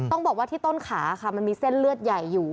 ต้องบอกว่าที่ต้นขาค่ะมันมีเส้นเลือดใหญ่อยู่